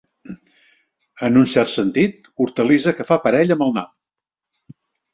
En un cert sentit, hortalissa que fa parella amb el nap.